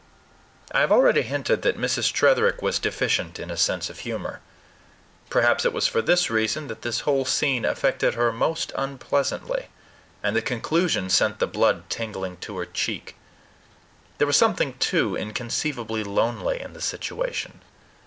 I have already hinted that Mrs. Tretherick was deficient in a sense of humor. Perhaps it was for this reason that this whole scene affected her most unpleasantly; and the conclusion sent the blood tingling to her cheek. There was something, too, inconceivably lonely in the situation.